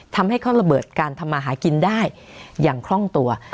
ทำให้เขาระเบิดการทำมาหากินได้อย่างคล่องตัว